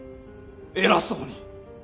偉そうに。